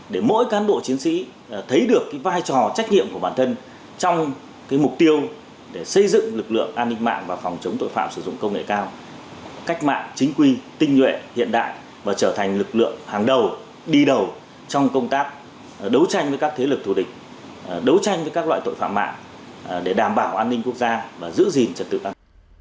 để mỗi cán bộ chiến sĩ thấy được vai trò trách nhiệm của bản thân trong mục tiêu xây dựng lực lượng an ninh mạng và phòng chống tội phạm sử dụng công nghệ cao cách mạng chính quy tinh nguyện hiện đại và trở thành lực lượng hàng đầu đi đầu trong công tác đấu tranh với các thế lực thù địch đấu tranh với các loại tội phạm mạng để đảm bảo an ninh quốc gia và giữ gìn trật tự an toàn